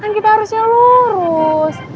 kan kita harusnya lurus